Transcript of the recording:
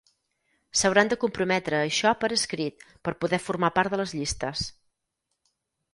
S'hauran de comprometre a això per escrit per poder formar part de les llistes.